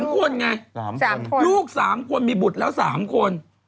พวก๓คนมีบุตรแล้ว๓คน